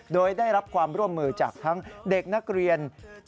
โดยได้รับความร่วมมือจากทั้งเด็กนักเรียน